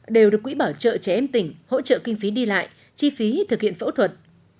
đều được quỹ bảo trợ trẻ em tỉnh hỗ trợ kinh phí đi lại chi phí thực hiện phẫu thuật